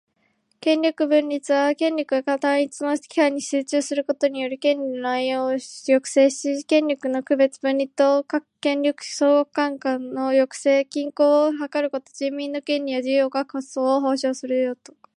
権力分立は、権力が単一の機関に集中することによる権利の濫用を抑止し、権力の区別・分離と各権力相互間の抑制・均衡を図ることで、人民の権利や自由の確保を保障しようとすること